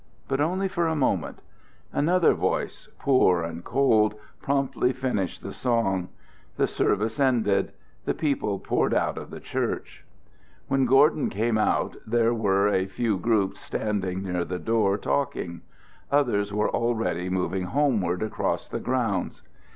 But only for a moment: another voice, poor and cold, promptly finished the song; the service ended; the people poured out of the church. When Gordon came out there were a few groups standing near the door talking; others were already moving homeward across the grounds.